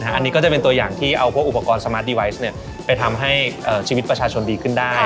อันนี้ก็จะเป็นตัวอย่างที่เอาพวกอุปกรณ์สมาร์ดีไวซไปทำให้ชีวิตประชาชนดีขึ้นได้